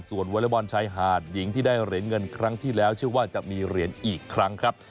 วอเล็กบอลชายหาดหญิงที่ได้เหรียญเงินครั้งที่แล้วเชื่อว่าจะมีเหรียญอีกครั้งครับ